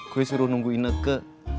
gue seru nunggu ineke